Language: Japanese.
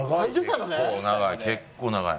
結構長い。